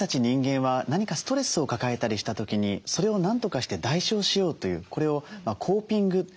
人間は何かストレスを抱えたりした時にそれを何とかして代償しようというこれをコーピング